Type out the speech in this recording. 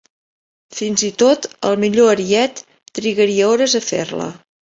Fins i tot el millor ariet trigaria hores a fer-la.